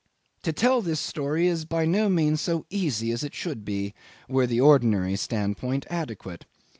To tell this story is by no means so easy as it should be were the ordinary standpoint adequate.